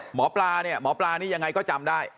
หมอปลาเนี่ยหมอปลานี่ยังไงก็จำได้